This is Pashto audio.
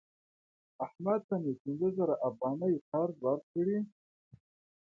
احمد ته مې پنځه زره افغانۍ قرض ورکړی